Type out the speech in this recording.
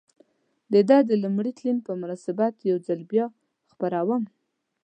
د ده د لومړي تلین په مناسبت یو ځل بیا خپروم.